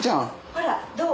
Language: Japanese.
ほらどう？